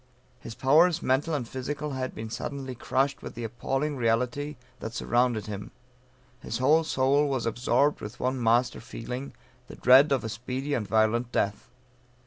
His powers, mental and physical had been suddenly crushed with the appalling reality that surrounded him; his whole soul was absorbed with one master feeling, the dread of a speedy and violent death.